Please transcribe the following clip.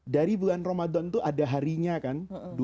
dari bulan ramadan itu ada harinya kan